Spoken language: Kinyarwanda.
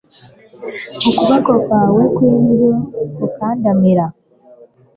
ukuboko kwawe kw’indyo kukandamira